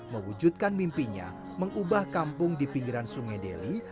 mewujudkan mimpinya mengubah kampung di pinggiran sungai deli